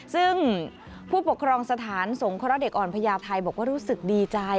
ซึ่งผู้ปกครองสถานสงเคราะห์เด็กอ่อนพญาไทยบอกว่ารู้สึกดีใจ